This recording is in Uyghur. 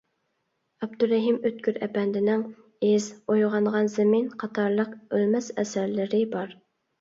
ئابدۇرېھىم ئۆتكۈر ئەپەندىنىڭ «ئىز»، «ئويغانغان زېمىن» قاتارلىق ئۆلمەس ئەسەرلىرى بار.